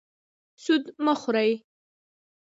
سود مه خورئ